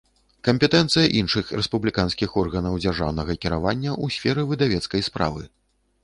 Кампетэнцыя iншых рэспублiканскiх органаў дзяржаўнага кiравання ў сферы выдавецкай справы